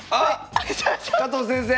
加藤先生！